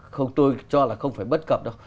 không tôi cho là không phải bất cập đâu